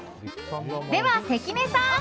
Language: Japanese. では関根さん。